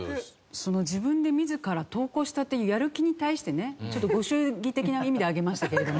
その自分で自ら投稿したっていうやる気に対してねちょっとご祝儀的な意味であげましたけれども。